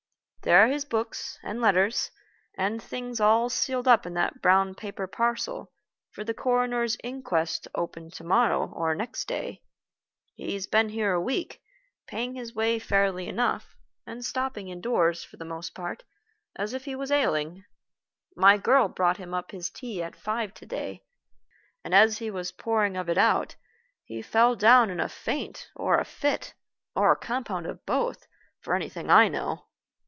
There are his books, and letters, and things all sealed up in that brown paper parcel for the coroner's inquest to open to morrow or next day. He's been here a week, paying his way fairly enough, and stopping indoors, for the most part, as if he was ailing. My girl brought him up his tea at five to day, and as he was pouring of it out, he fell down in a faint, or a fit, or a compound of both, for anything I know.